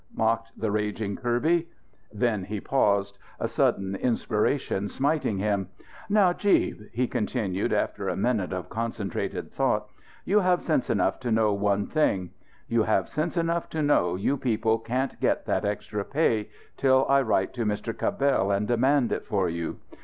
mocked the raging Kirby. Then he paused, a sudden inspiration smiting him. "Najib," he continued after a minute of concentrated thought, "you have sense enough to know one thing: You have sense enough to know you people can't get that extra pay till I write to Mr. Cabell and demand it for you.